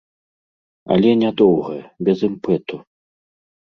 Але нядоўга, без імпэту.